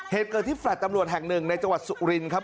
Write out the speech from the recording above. เหตุเกิดที่แฟลต์ตำรวจแห่งหนึ่งในจังหวัดสุรินครับ